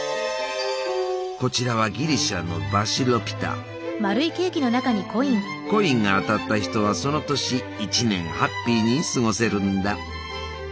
こちらはギリシャのコインが当たった人はその年一年ハッピーに過ごせるんだ。